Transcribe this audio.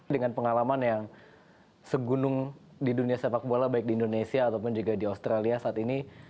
dengan pengalaman yang segunung di dunia sepak bola baik di indonesia ataupun juga di australia saat ini